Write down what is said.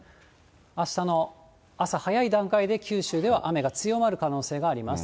あしたの朝早い段階で、九州では雨が強まる可能性があります。